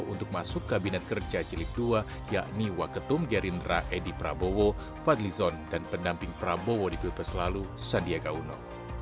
untuk masuk kabinet kerja jilid dua yakni waketum gerindra edi prabowo fadlizon dan pendamping prabowo di pilpres lalu sandiaga uno